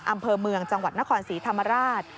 อำเภอเมืองจังหวัดนครศรีธรรมราช